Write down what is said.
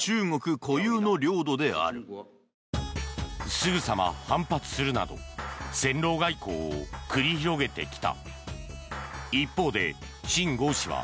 すぐさま反発するなど戦狼外交を繰り広げてきた。